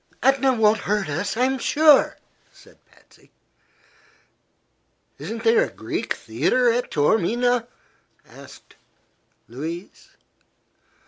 "Etna won't hurt us, I'm sure," said Patsy. "Isn't there a Greek theatre at Taormina?" asked Louise.